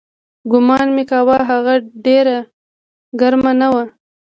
ګومان مې کاوه هغه ډېره ګرمه نه وه.